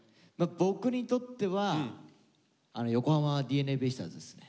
僕にとっては横浜ＤｅＮＡベイスターズですね。